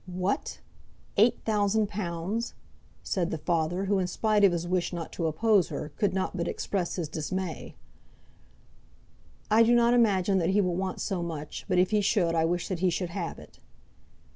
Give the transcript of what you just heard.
"What; eight thousand pounds!" said the father who in spite of his wish not to oppose her, could not but express his dismay. "I do not imagine that he will want so much; but if he should, I wish that he should have it."